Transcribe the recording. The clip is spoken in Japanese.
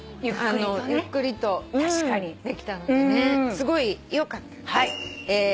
すごいよかったです。